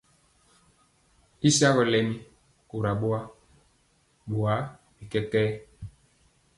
Y sagɔ lɛmi kora boa, boa bi kɛkɛɛ.